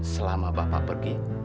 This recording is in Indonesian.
selama bapak pergi